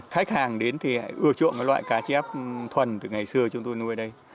khách hàng đến thì ưa chuộng cái loại cá chép thuần từ ngày xưa chúng tôi nuôi ở đây